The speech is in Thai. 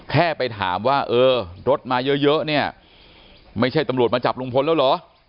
แค่ไปถามว่าเออรถมาเยอะเนี่ยไม่ใช่ตำรวจมาจับลุงพลแล้วเหรอ